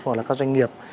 hoặc là các doanh nghiệp